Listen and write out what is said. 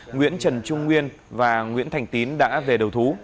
nguyễn trần trung nguyên và nguyễn thành tín đã về đầu thú